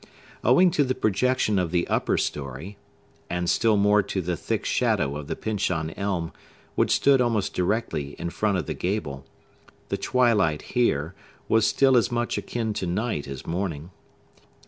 Owing to the projection of the upper story—and still more to the thick shadow of the Pyncheon Elm, which stood almost directly in front of the gable—the twilight, here, was still as much akin to night as morning.